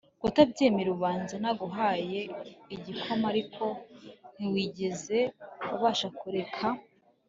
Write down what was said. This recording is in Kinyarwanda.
kutabyemera ubanza, naguhaye igikoma ariko ntiwigeze ubasha kureka